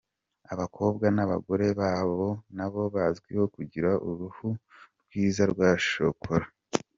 Abakobwa n’abagore baho nabo bazwiho kugira uruhu rwiza rwa shokora.